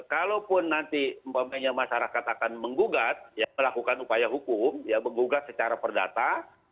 kalaupun nanti masyarakat akan menggugat melakukan upaya hukum ya menggugat secara perdata